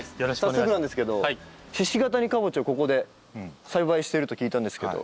早速なんですけど鹿ケ谷かぼちゃをここで栽培してると聞いたんですけど。